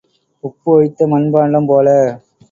உப்பு வைத்த மண்பாண்டம் போல.